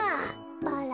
バラ？